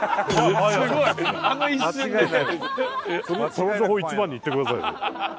その情報一番に言ってくださいよ。